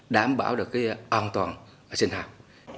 đảm bảo được cái an toàn trên hạng